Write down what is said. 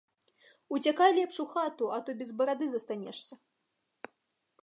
Уцякай лепш у хату, а то без барады застанешся.